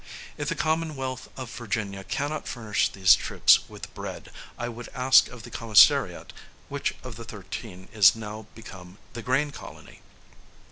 If the Commonwealth of Virginia cannot furnish these troops with bread, I would ask of the commissariat, which of the thirteen is now become the grain colony?